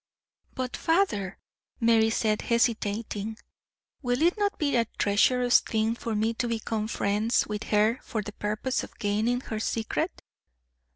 "But, father," Mary said, hesitating, "will it not be a treacherous thing for me to become friends with her for the purpose of gaining her secret?"